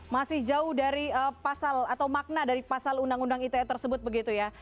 masih jauh dari pasal atau makna dari pasal undang undang ite tersebut begitu ya